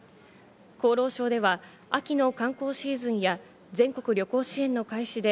厚労省では秋の観光シーズンや全国旅行支援の開始で